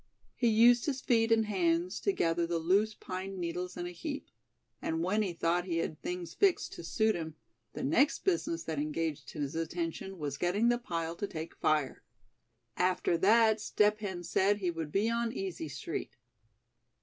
He used his feet and hands to gather the loose pine needles in a heap; and when he thought he had things fixed to suit him, the next business that engaged his attention was getting the pile to take fire. After that Step Hen said he would be "on Easy Street."